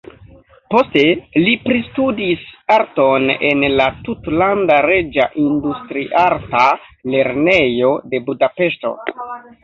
Poste li pristudis arton en la Tutlanda Reĝa Industriarta Lernejo de Budapeŝto.